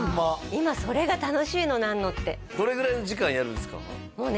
今それが楽しいのなんのってどれぐらいの時間やるんですか？